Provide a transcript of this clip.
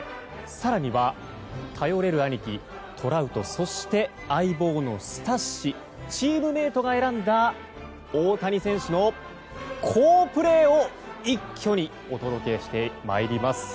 更には頼れる兄貴トラウトそして、相棒のスタッシチームメートが選んだ大谷選手の好プレーを一挙にお届けしてまいります。